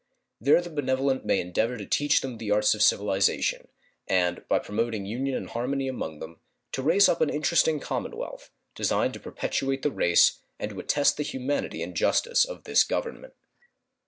There the benevolent may endeavor to teach them the arts of civilization, and, by promoting union and harmony among them, to raise up an interesting commonwealth, destined to perpetuate the race and to attest the humanity and justice of this Government.